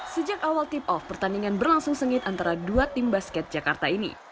sejak awal tip off pertandingan berlangsung sengit antara dua tim basket jakarta ini